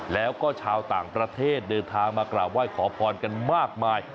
แล้วก็ชาวต่างประเทศเดินทางมากราบไหว้ขอพรกันมากมาย